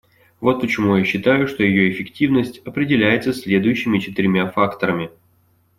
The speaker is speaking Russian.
Вот почему я считаю, что ее эффективность определяется следующими четырьмя факторами.